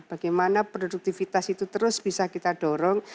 bagaimana produktivitas itu terus bisa kita dorong